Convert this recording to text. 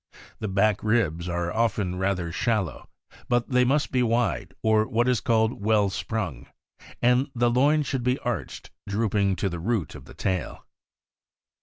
The back ribs are often rather shallow, but they must be wide, or what is called " well sprung," and the loin should be arched, drooping to the root of the tail.